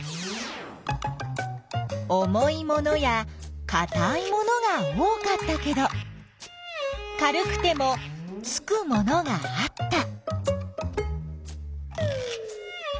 重いものやかたいものが多かったけど軽くてもつくものがあった。